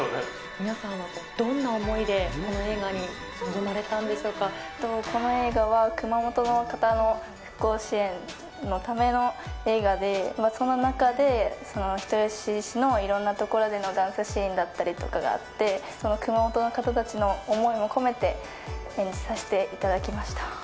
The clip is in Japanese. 皆さんはどんな思いで、この映画は、熊本の方の復興支援のための映画で、その中で人吉市のいろんな所でのダンスシーンとかだったりがあって、その熊本の方たちの思いを込めて演じさせていただきました。